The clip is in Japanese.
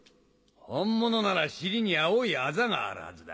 本物なら尻に青いアザがあるはずだ。